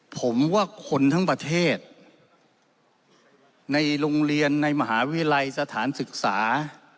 ผมว่าคนทั้งประเทศในโรงเรียนในมหาวิทยาลัยสถานศึกษา